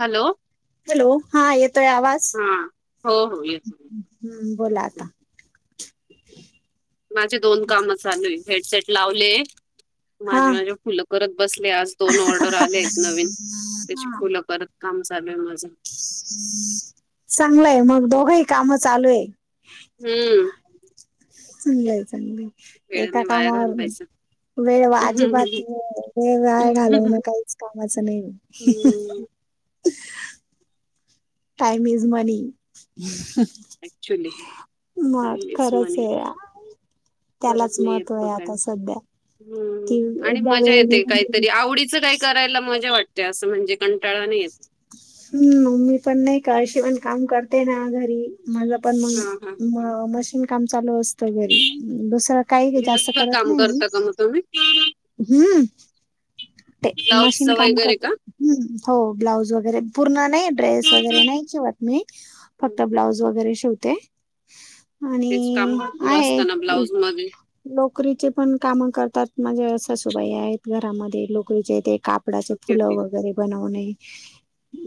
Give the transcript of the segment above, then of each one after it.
Hello hello. हा येतोय आवाज? हा हो हो येतो हम्म. बोला आता. माझे दोन काम चालूए. हेडसेट लावले- हा माझे माझे फुलं करत बसले. आज दोन ऑर्डर आल्यायेत नवीन. त्याची फुलं करत काम चालूय माझं. चांगलंय मग दोघही काम चालू आहे. हम्म. चांगलय चांगलय एका वेळाने वाया कामावर म- घालवायचं वेळ अजिबात. मी वेळ वाया घालवण हम्म काहीच कामाचं नाही. [inaudible] Time is money. ऍक्च्युली मग काही नाहीच म्हणे खरंचए. त्यालाच परत नाही येत महत्त्व तो आहे काय आता सध्या. कि हम्म आणि एकदा मजा वेळ येते. निघून गेली काहीतरी आवडीचं काही - करायला मजा वाटते. असं म्हणजे कंटाळा नाही येत. हम्म मी पण नाही का अशी पण काम करते ना घरी. माझं पण हा हा मग म मशीन काम चालू असत. घरी. दुसरं काही जास्त दिवसभर करत काम नाही मी. [unintelligible] हम्म. ते मशीन ब्लाऊजचं काम वगैरे करते. का हं. हो ब्लाऊज वगैरे पूर्ण- नाही ड्रेस वगैरे नाही शिवत मी. हं, फक्त हं. ब्लाऊज वगैरे शिवते. आणि तेच काम भरपूर -आहे. असताना ब्लाऊज मध्ये लोकरीचे पण काम करतात. माझ्या सासूबाई आहेत घरामध्ये लोकरीचे ते काप- -पडाचे ओके फुलं ओके. वगैरे बनवणे-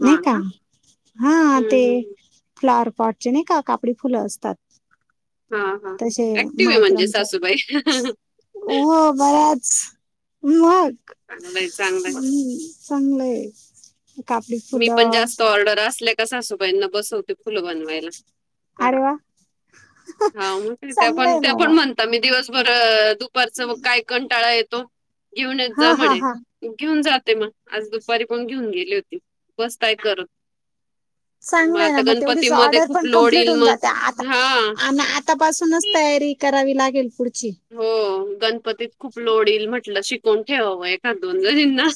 नाही का? हा. हम्म, ते- हम्म. फ्लॉवर पॉटचे नाही का कापडी फुलं असतात. हा हा तसे ऍक्टिव्ह आहे म्हणजे मायक्रोमच. सासूबाई हो बऱ्याच- मग? चांगलंय चांगलंय हम्. चांगलंय कापडी - मी पण जास्त ऑर्डर असल्या का, सासूबाईंना बसवते फुलं बनवायला. करा. अरे वा हा ग! त्या पण चांगलंय त्या ना पण वा म्हण- आता मी दिवसभर, दुपारचं मग काय कंटाळा येतो. घेऊनच जा हा हा म्हणे. हा घेऊन जाते म. आज दुपारी पण घेऊन गेली होती. बसताय करत. चांगलंय ना आता मग, तेवढीच गणपतीमध्ये ऑर्डर खूप पण लोड कंप्लीट येईल होऊन जाते आता मग हा आणि आ - -तापासूनच तयारी करावी लागेल पुढची. हो. गणपतीत खूप लोड येईल म्हटलं शिकून ठेवावं हे. दोन जणींना.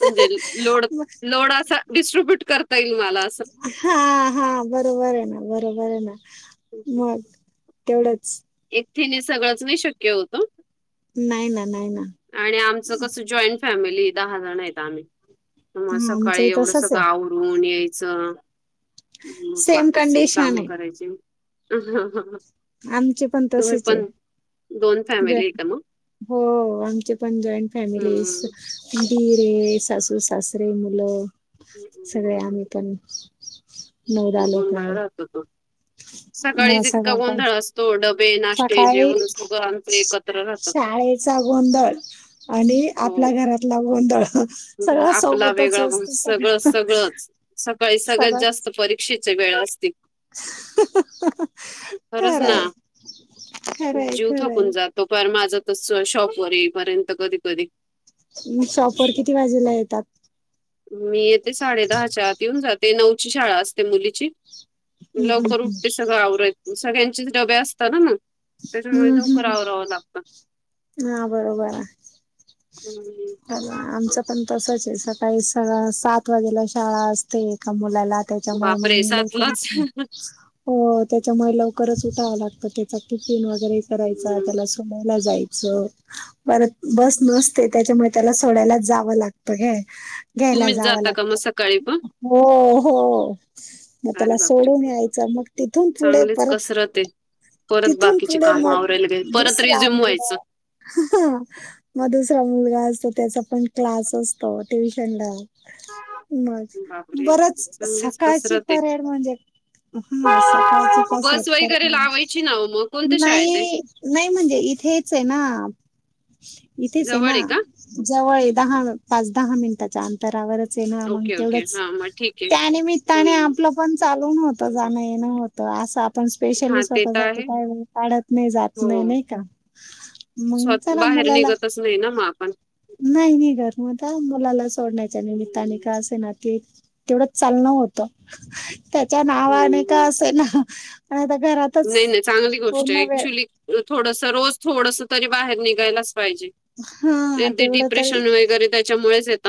म्हणजे लोड, लोड असा डिस्ट्रीब्युट करता येईल मला. हा हा. बरोबर आहे ना. बरोबर आहे ना. मग तेवढंच- एकटीनी सगळंच नाही शक्य होतं हो. नाही ना. नाही ना. आणि आमचं कसं जॉईंट फॅमिलीए. दहा जण येत आम्ही. मग हा सकाळी आमचंही एवढंस तसच आहे गाव करून यायचं सेम बाकीचे कंडिशन कामं आहे करायचे ह हं हं आमची पण तसेच आहे दोन फॅमिली आहे जॉईंट का मग हो आमचे पण जॉईंट फॅमिली हम्म. रे सासू सासरे मुलं सगळे आम्ही पण नऊ दहा लोक गोंधळ आहेत राहतो तो सकाळी मग जितका सगळं काय गोंधळ तो डबे नाश्ते सकाळी जेवण सगंळ आमच एकत्र राहतं चा गोंधळ आणि हो आपल्या घरातला गोंधळ आपला सोबतच वेगळा ब असतो सगळं सगळंच सकाळी सगळ सगळं जास्त परीक्षेच्या वेळ असतील खरंच ना खरंय खरंय जीव खरंय थकून जात तो पण माझं तस शॉपवर येईपर्यंत कधी कधी शॉपवर किती वाजेला येतात मी येते साडे दहाच्या आत येऊन जाते नऊची शाळा असते मुलीची हम्म लवकर हम्म उठते सगळं आवरय सगळ्यांचेच डबे असतात ना मग त्याच्यामुळे हम्म लवकर हम्म आवरायला लागत हा बरोबर आहे हम्म. आमचं पण तसच आहे सकाळी सात वाजेला शाळा असते एका मुलाला त्याच्यामुळे मग बापरे म लवकर सातलाच. हो त्याच्यामुळे लवकरच उठावं लागतं त्याच टिफीन वगैरे करायचा हम्म त्याला समवला जायच परत बस नसते त्याच्यामुळे त्याला सोडायला जावं लागतं ग तुम्हीच जाता का मग सकाळी पण हो हो मग अरे त्याला सोडून यायचं बापरे मग तिथून पुढे चांगलीच परत कसरत आहे परत तिथून बाकीची पुढे काम मग आवरायला गेल परत दुसरा रिझ्युम व्हायचं आं मग दुसरा मुलगा असतो त्याचा पण क्लास असतो ट्युशन ला म बापरे बरच चांगलीच सकाळची कसरत आहे परेड म्हणजे हा सकाळच त्या बस सर वगैरे नाही लावायची ना हो मग कोणत्या शाळेत आहे नाही नाही म्हणजे इथेच आहे ना इथेच आहे जवळ ना का जवळ दहा पाच दहा मिनिटाच्या अंत तरवरच ये ना मग ओके ओके तेवढंच हा मग ठीक आहे त्यानिमित्ताने हम्म. आपलं पण चालून होत जाणं येणं होतं असं आपण हा स्पेशली ते तर स्वतः आहे काय काढत नाही जात नाही हो नाही का मंग स्वत चला बाहेर मुलाला निघतच नाही ना मग आपण नाही नाही घर मता मुलाला सोडण्यायच्या निमित्ताने हम्म. का असे ना ककी तेवढंच चालण होत त्याच्या नावाने हम्म, का हम्म. असे ना आणि आता घरात नाही नाही चांगली गोष्ट ऍक्च्युली थोडस रोज थोडस तरी बाहेर निघायलाच पाहिजे हा अदी तेवढं तरी डिप्रेशन वगैरे त्याच्यामुळेच येत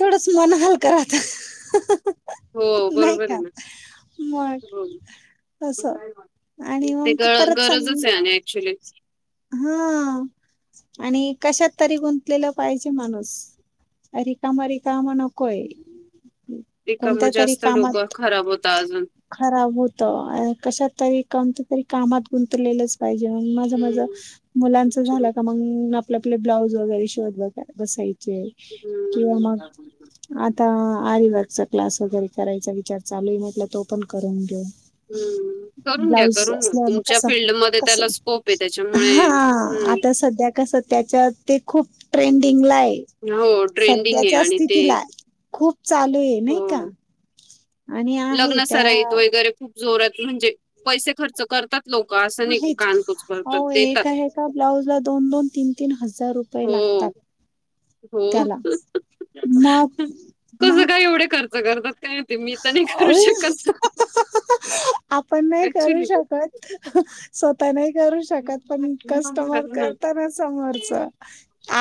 थोडंच मन हलक राहतात हो नाही बरोबर आहे का ना. मग हो. तस आणि ते ग मग परत सांग गरजच आहे आणि ऍक्च्युली हा आणि कशात तरी गुंतलेला पाहिजे माणूस अ रिकामा रिकामा नकोय ते काम कोणत्या तरी जास्त कामात डोक खराब होता अजून खराब होत कशात तरी कमत तरी कामात गुंतलेलंच पाहिजे माझं माझ हम्म. मुलांच ऍक्च्युली झालं का मग आपले आपले ब्लाऊज वगैरे शोधत बसायचे किं हम्म. [inaudible] आता आरिवगचा क्लास वगैरे करायचा विचार चालू आहे म्हटलं तो पण करून घेऊ हम्म. करून घ्या, ब्लाउज असणार मग कस कस कोप य त्याच हा. आता सध्या कस त्याच्यात ते खूप ट्रेंडिंगलाय. हो ट्रेंडिंग आहे सध्याच्या आणि ते स्थितीला, खूप चालूय नई का? आणि आहे लग्न त्या सराईत वगैरे खूप जोरात म्हणजे पैसे खर्च करतात लोकं असं नाही की आहेच कानकुच करतात, आवो देतात. एका एका ब्लाऊज ला दोन दोन तीन तीन हजार रुपये हो. लागतात. हो. त्याला [unintelligible] मग? कसं मा काय एवढे खर्च करतात काय माहिती मी तर नाही करू शकत [unintelligible] आपण नाही करू ऍक्च्युली शकत, स्वतः नाही करू शक शकत पण, कस्टमर खरंच ना. करताना समोरच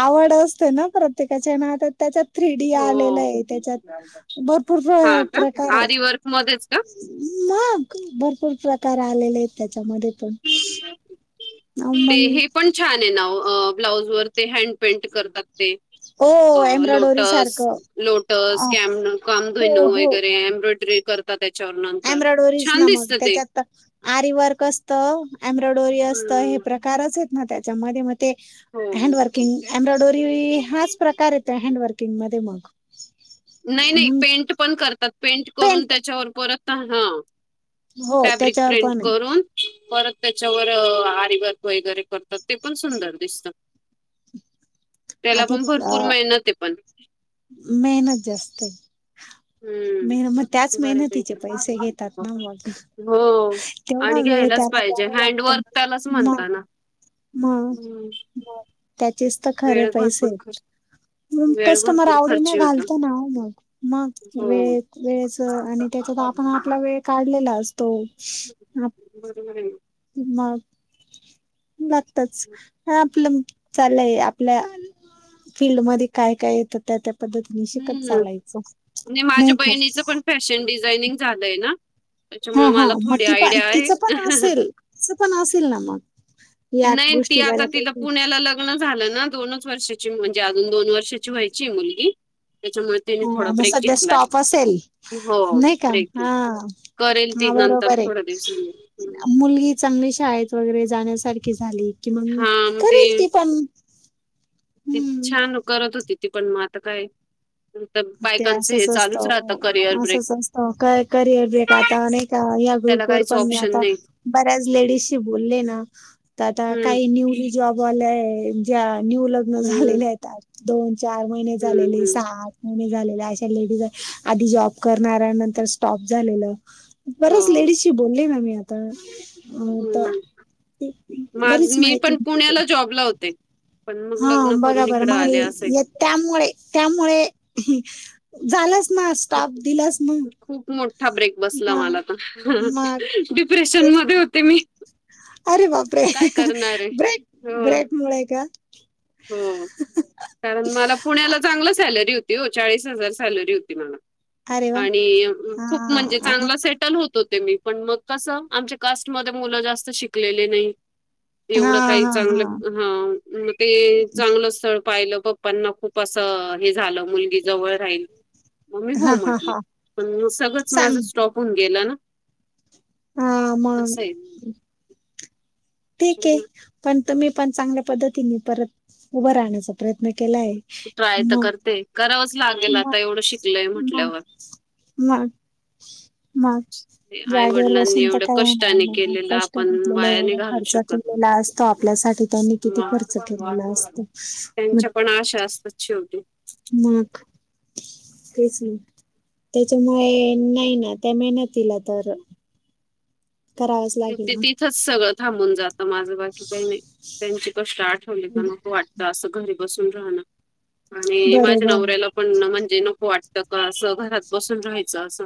आवड असते ना. प्रत्येकाच्या ना आता त्याच्यात थ्री डी आलेलं हो. आहे, त्याच्यात भरपूर प्रकार आहेत. मध्येचं का? मग भरपूर प्रकार आलेले आहेत, त्याच्यामध्ये पण. अं, ते हे मग पण छान आहे ना, ओ ब्लाउज वर ते हँड पेंट करतात ते. ओ अ एम्ब्रॉयडरी लोटस सारखं लोटस अं, कॅम- हो कामधेनू हो वगैरे एम्ब्रॉयडरी कर त तेच्यावर नाम एम्ब्रॉयडरीज ना मग, त्याच्यात तर अरी वर्क असतं. एम्ब्रॉयडोरी असतं हे हम्म प्रकारच आहेत ना, त्याच्यामध्ये मग ते हो. हँन्डवर्क एम्ब्रॉयडरी हाच प्रकार येतोय हॅन्डवर्किंग मध्ये मग. नाही नाही मग पेंट पण करतात, पेंट करून त्याच्यावर परत हा. हो फॅब्रिक त्याच्यावर प्रिंट पण आहे. करून परत त्याच्यावर आरीवर्क वगैरे करतात, ते पण सुंदर दिसतं. त्याला आधी पण अ भरपूर मेहनत आहे पण. मेहनत जास्त आहे. हं. मेहन मग, त्याच मेहनतीचे बऱ्यापैकी. पैसे घेतात ना मग. हो. तेवढा आणि वेळ घ्यायलाच त्याला पाहिजे. द्यावा लागतो हँडवर्क त्यालाच म म्हणता ना. मग. हं. त्याचेच तर खरे वेळ पैसे भरपूर आहेत. खर्च म वेळ कस्टमर भरपूर आवडीने खर्ची होतो. घालतो ना, मग मग हो. वेळ वेळेच आणि त्याच्यात हा आपला वेळ काढलेला असतो. बरोबर आहे. मग लागतच. हे आपलं चालय आपल्या, फील्डमध्येध्ये काय काय येतं त्या त्या पद्धतीनी शिकत हं. चालायचं, माझ्या नाही का? बहिणीचं पण फॅशन डिझायनिंग झालंय ना हा त्याच्यामुळे हा मला मग थोडी ती पण आयडिया आहे. तिचं [inaudible] पण असेल तिचं पण असेल ना मग या नई न ती गोष्टी आता तिला बऱ्यापैकी पुण्याला लग ग्न झालं ना दोनच वर्षाची म्हणजे अजून दोन वर्षाची व्हायची मुलगी. त्याच्यामुळे तिने थोडा हा मग ब्रेक सध्या घेतलाय. स्टॉप असेल, हो नाही का? ब्रेक हा. करेल ती हा नंतर बरोबरय. थोड्या दिवसांनी. हम्म. मुलगी चांगली शाळेत वगैरे जाण्यासारखी झाली कि मग हा मग ते करेल ती पण. ती हम्म छान करत होती ती पण म आता काय तर ते बायकांचं हे असंच चालूच असतं. राहतं करिअर ब्रेक असंच असतं करिअर ब्रेक आता अनेक या त्याला ग्रुप वर काहीच पण मी ऑप्शन आता नाही. बऱ्याच लेडीजशी बोलले ना, तर आता हम्म काही न्यूली जॉब वाल्या ज्या न्यू लग्न हम्म झालेल्या आहेत त्या दोन, चार महिने हम्म झालेले हम्म सहा महिने झालेल्या अशा लेडीजय, आधी जॉब करणाऱ्या नंतर स्टॉप झालेलं हो बऱ्याच लेडीजशी बोलले ना मी आता अ तर हम्म, माझ बरीच मी माहिती पण मिळते पुण्याला जॉबला होते. पण मग हा लग्न बघा करून बरं इकड मग आले ल- असंय. य- त्यामुळे त्यामुळे झालंच ना, स्टॉप दिलाच ना. खूप मोठा ब्रेक बसला मग मला तर, मग डिप्रेशन तेच मध्ये होते मी. अरे आता बापरे! काय करणार आहे? ब्रेक हो, ब्रेक मुळे का? हो कारण मला पुण्याला चांगली सॅलरी होती हो चाळीस हजार सॅलरी होती मला अरे वा आणि हा खूप म्हणजे आणि चांगला सेटल होत मी पण मग कस आमच्या कास्ट म मुलं जास्त शिकलेले नाही हा एवढं काही हा चांगलं हा मग ते चांगलं स्थळ पाहिलं पप्पांना खूप असं हे झालं मुलगी जवळ राहील मग मी हो हा हा म्हटली हा पण सगळंच माझ सांग स्टॉप होन गेलं ना आम असं ठीक आहे पण तुम्ही पण चांगल्या पद्धतीने परत उभं राहण्याच प्रयत्न केला आहे ट्राय तर म करते करावंच लागेल म आता एवढं शिकलय म म्हटल्यावर. मग मग आई जाागेवर वडिलांनी बसून तर एवढं काय कष्टाने होणार केलेलं कष्ट आपण घटलेलं वाया नाही एवढं घालू खर्च शकत. केलेला असतो आपल्यासाठी त्यांनी किती खर्च केलेला मग असतो मग त्यांच्या पण आशा असतात शेवटी मग तेच नाही त्याच्यामुळे नाही ना त्या मेहनत तला तर करावंच लागेल ना तिथंच सगळं थांबून जातं माझं बाकी काही नाही त्यांची कष्ट आठवली का नक वाटत असं घरी बसून राहणं आणि माझ्या बरोबर नवऱ्याला पण म्हणजे नको वाटतं का असं घरात बसून राहायचं असं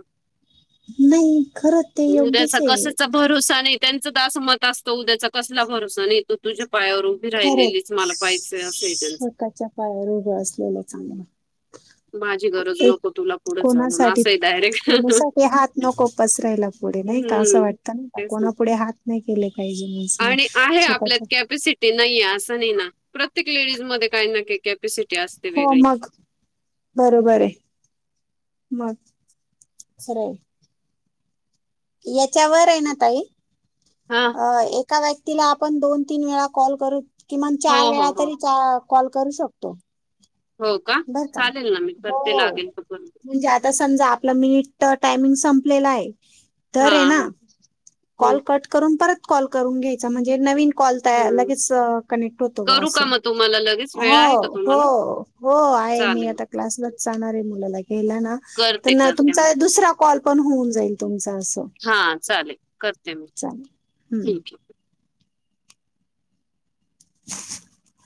नाही खरंच ते उद्याचा योग्यच आहे कशाचा भरोसा नाही त्यांच दास मत असतं उद्याचा कसला भरोसा नाही तो तुझ्या पायावरून ी खरंच राहिलेलीच मला पाहियचं असंच स्वतःच्या पायावर उभं असलेलं चांगलं माझी गरज एक नको तुला पुढे चालून कोणासाठी असं आहे डायरेक्ट कोणासाठी हात नको पसरायला पुढे नाही का असं हम्म वाटत नाही का तेच ना. कोणा पुढे हात नाही केले पाहिजे म्हण आणि आहे आपल्यात कॅपसिटी ते नाहीये असं नाही ना प्रत्येक लेडीज मध्ये काही ना का कॅपॅसिटी असते हो वेगळी मग बरोबर आहे मग खरं याच्यावर आहे ना ताई हा अ एका व्यक्तीला आपण दोन तीन वेळा कॉल करू किमान हो चार वेळा हो हो तरी कॉल करू शकतो हो का चालेल ना मी हो करते लागेल तरून म्हणजे आता समजा आपलं मिनिट टायमिंग संपलेलं आहे हा तररे हा ना हम्म, कॉल कट करून परत कॉल करून घ्यायचा म्हणजे नवीन कॉल त्या हम्म. लगेच कनेक्ट होतो ग करू का असं मग तुम्हाला लगेच वेळ आहे का हो तुम्हाला हो हो आहे मी चालेल आता क्लासलाच जाचाणार आहे मुलाला घ्यायला ना करते प करते मग तुमचा दुसरा कॉल पण होऊन जाईल तुमच असं हा चालेल करते मी चालेल हम्म थक य [unintelligible]